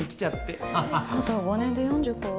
あと５年で４０か。